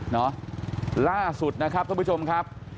ล่าสุดนะครับท่านผู้ชมครับ